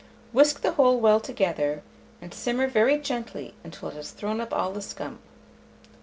Whisk the whole well together, and simmer very gently until it has thrown up all the scum.